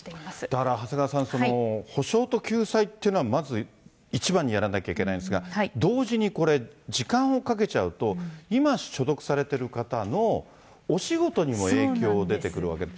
だから長谷川さん、補償と救済っていうのは、まず一番にやらなきゃいけないんですが、同時にこれ、時間をかけちゃうと、今所属されている方のお仕事にも影響出てくるわけで。